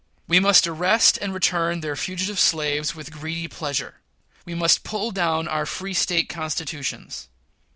We must arrest and return their fugitive slaves with greedy pleasure. We must pull down our free State constitutions.